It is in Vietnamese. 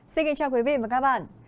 xin kính chào quý vị và các bạn